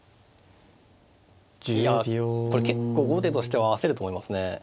いやこれ結構後手としては焦ると思いますね。